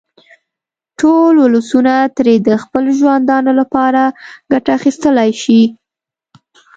ټول ولسونه ترې د خپل ژوندانه لپاره ګټه اخیستلای شي.